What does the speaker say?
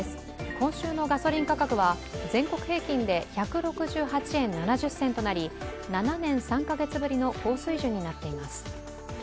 今週のガソリン価格は全国平均で１６８円７０銭となり、７年３カ月ぶりの高水準になっています。